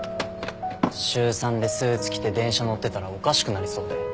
週３でスーツ着て電車乗ってたらおかしくなりそうで。